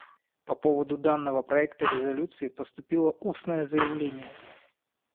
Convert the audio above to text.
По поводу данного проекта резолюции поступило устное заявление.